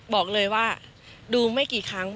บอกเลยว่าดูไม่กี่ครั้ง